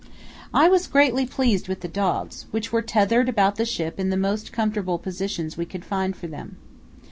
I was greatly pleased with the dogs, which were tethered about the ship in the most comfortable positions we could find for them.